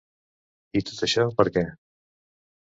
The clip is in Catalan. I tot això, per què?